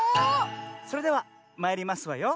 それではまいりますわよ。